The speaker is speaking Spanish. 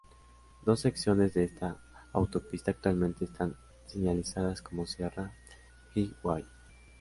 Dos secciones de esta autopista actualmente están señalizadas como Sierra Highway.